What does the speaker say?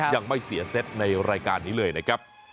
ยังไม่เสียเซตในรายการนี้เลยนะครับ